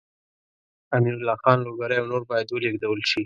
امین الله خان لوګری او نور باید ولېږدول شي.